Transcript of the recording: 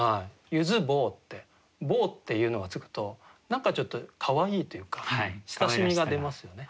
「柚子坊」って「坊」っていうのが付くと何かちょっとかわいいというか親しみが出ますよね。